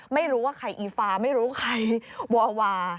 ไม่รู้ว่าใครอีฟาไม่รู้ใครวาวา